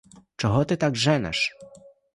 Чого ти так женеш?